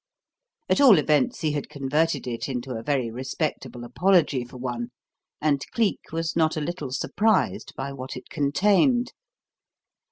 At all events, he had converted it into a very respectable apology for one; and Cleek was not a little surprised by what it contained.